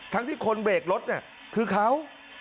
ทั้งที่คนเบรกรถนี่คือเขา